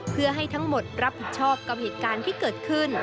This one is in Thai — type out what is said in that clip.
เพื่อให้ทั้งหมดรับผิดชอบกับเหตุการณ์ที่เกิดขึ้น